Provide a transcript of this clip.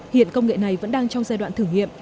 hiện công nghệ này vẫn đang trong giai đoạn thử nghiệm